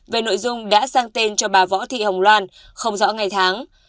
về nội dung đã sang tên cho bà võ thị hồng loan không rõ ngày tháng